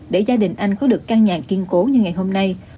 để gia đình anh có được căn nhà kiên cố như ngày hôm nay